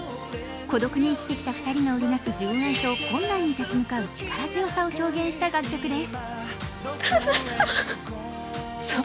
孤独に生きてきた２人が織り成す純愛と困難に立ち向かう力強さを表現した楽曲です。